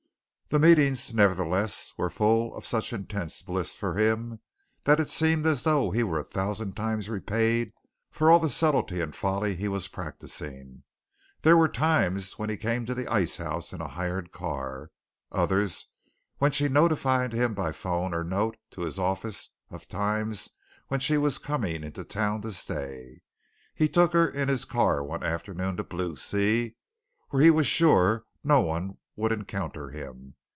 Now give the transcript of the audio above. The meetings nevertheless were full of such intense bliss for him that it seemed as though he were a thousand times repaid for all the subtlety and folly he was practicing. There were times when he came to the ice house in a hired car, others when she notified him by phone or note to his office of times when she was coming in to town to stay. He took her in his car one afternoon to Blue Sea when he was sure no one would encounter him.